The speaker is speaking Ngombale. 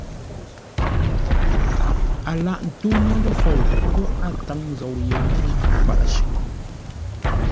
A lâghʼ ńtó ńŋə́ lə́ fou ńgó a táŋ zou yé mə́u kwaʼ shʉʼʉ,